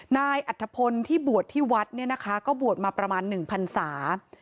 นายอัทธพลที่บวชที่วัดก็บวชมาประมาณหนึ่งพันศา